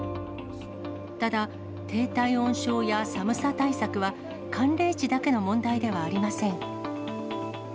ただ、低体温症や寒さ対策は、寒冷地だけの問題ではありません。